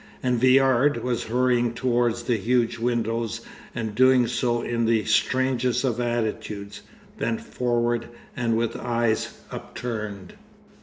And Viard was hurrying towards the huge windows and doing so in the strangest of attitudes, bent forward and with eyes upturned.